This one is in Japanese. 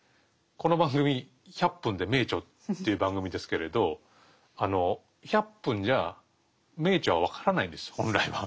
この番組「１００分ｄｅ名著」という番組ですけれど１００分じゃあ名著はわからないですよ本来は。